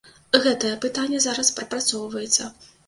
Гэтае пытанне зараз прапрацоўваецца.